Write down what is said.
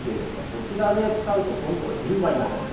こちらで使うと、ポイントが１０倍になります。